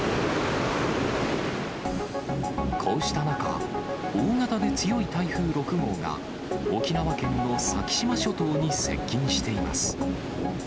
こうした中、大型で強い台風６号が、沖縄県の先島諸島に接近しています。